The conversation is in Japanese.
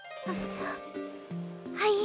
はい。